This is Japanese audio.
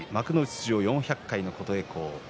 出場４００回の琴恵光です。